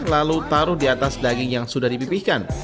lalu taruh di atas daging yang sudah dipipihkan